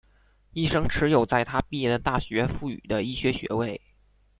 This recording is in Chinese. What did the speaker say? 医生持有在他毕业的大学赋予的医学学位。